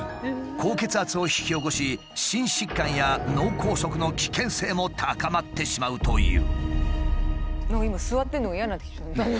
高血圧を引き起こし心疾患や脳梗塞の危険性も高まってしまうという。